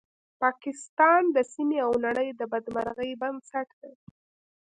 پاکستان د سیمې او نړۍ د بدمرغۍ بنسټ دی